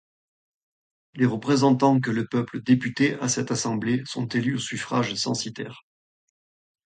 Les représentants que le peuple député à cette assemblée sont élus au suffrage censitaire.